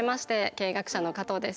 経営学者の加藤です。